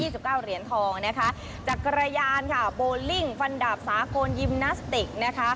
สาย๒๙เหรียญทองจากกระยานโบลิ่งฟันดับสาโกนยิมนาสติก